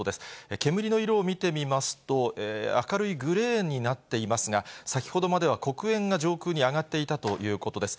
煙の色を見てみますと、明るいグレーになっていますが、先ほどまでは黒煙が上空に上がっていたということです。